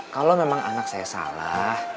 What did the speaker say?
kalau memang anak saya salah